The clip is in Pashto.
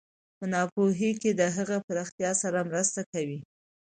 په ناپوهۍ کې د هغې پراختیا سره مرسته کوي.